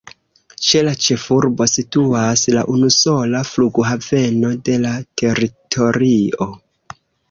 Ĉe la ĉefurbo situas la unusola flughaveno de la teritorio.